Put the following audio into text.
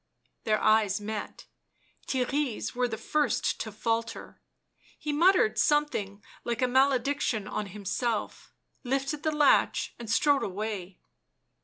Their eyes met ; Theirry 's were the first to falter ; he muttered something like a malediction on himself, lifted the latch and strode away.